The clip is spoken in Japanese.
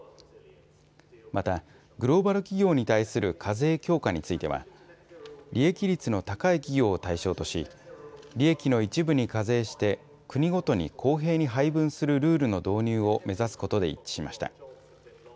またグローバル企業に対する課税強化については利益率の高い企業を対象とし利益の一部に課税して国ごとに公平に配分するルールの導入を目指すことで一致しました。